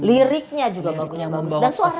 liriknya juga bagus bagus dan suara